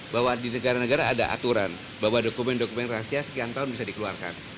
bahwa di negara negara ada aturan bahwa dokumen dokumen rahasia sekian tahun bisa dikeluarkan